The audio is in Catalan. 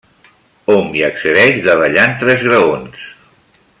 Hom hi accedeix davallant tres graons.